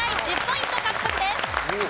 １０ポイント獲得です。